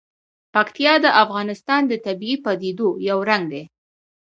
پکتیا د افغانستان د طبیعي پدیدو یو رنګ دی.